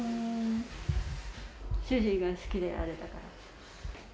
主人が好きであれだから。